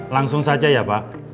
langsung saja ya pak